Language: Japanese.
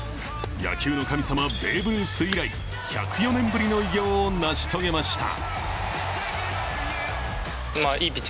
野球の神様、ベーブ・ルース以来１０４年ぶりの偉業を成し遂げました。